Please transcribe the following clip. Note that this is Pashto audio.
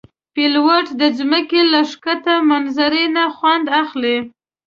پیلوټ د ځمکې له ښکته منظر نه خوند اخلي.